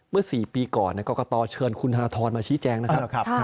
เมื่อสี่ปีก่อนเนี่ยกรกตเชิญคุณธรรมมาชี้แจงนะครับ